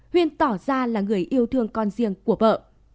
huyên tỏ ra là người yêu thương con riêng của vợ